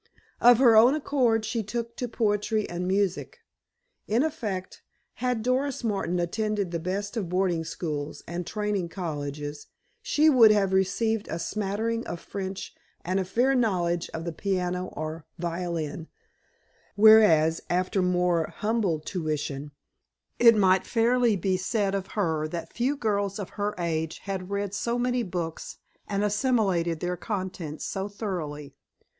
Of her own accord she took to poetry and music. In effect, had Doris Martin attended the best of boarding schools and training colleges, she would have received a smattering of French and a fair knowledge of the piano or violin, whereas, after more humble tuition, it might fairly be said of her that few girls of her age had read so many books and assimilated their contents so thoroughly.